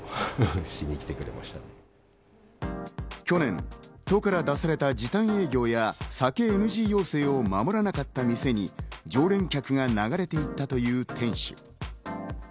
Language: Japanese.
去年、都から出された時短営業や酒ＮＧ要請を守らなかった店に常連客が流れていったという店主。